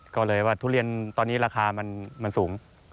ก็เลยว่าทุเรียนตอนนี้ราคามันสูง